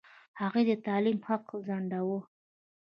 هغوی د تعلیم حق ځنډاوه.